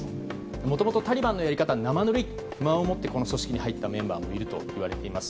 もともとタリバンのやり方は生ぬるいと不満を持ちこの組織に入ったメンバーもいるといわれています。